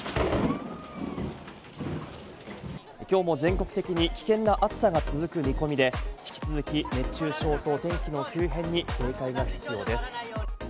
きょうも全国的に危険な暑さが続く見込みで、引き続き、熱中症とお天気の急変に警戒が必要です。